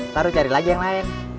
ntar lo cari lagi yang lain